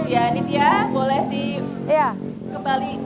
ya nitya boleh dikembali